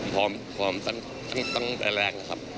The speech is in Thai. ผมพร้อมตั้งแต่แรงครับ